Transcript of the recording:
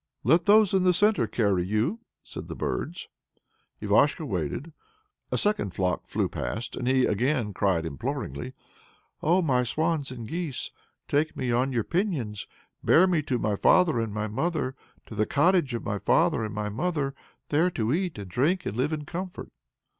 "Let those in the centre carry you," said the birds. Ivashko waited; a second flock flew past, and he again cried imploringly: Oh, my swans and geese! Take me on your pinions, Bear me to my father and my mother, To the cottage of my father and my mother, There to eat, and drink, and live in comfort.